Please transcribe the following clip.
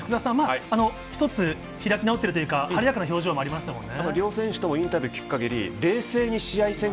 一つ開き直っているというか晴れやかな表情でしたね。